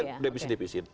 ini kan depisit depisit